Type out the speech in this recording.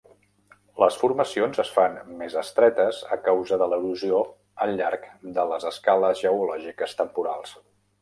Les formacions es fan més estretes a causa de l'erosió al llarg de les escales geològiques temporals.